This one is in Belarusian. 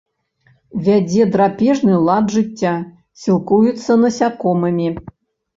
Вядзе драпежны лад жыцця, сілкуецца насякомымі.